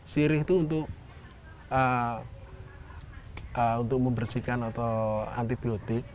sirih itu untuk membersihkan atau antibiotik